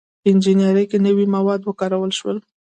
• په انجینرۍ کې نوي مواد وکارول شول.